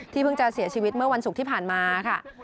เพิ่งจะเสียชีวิตเมื่อวันศุกร์ที่ผ่านมาค่ะ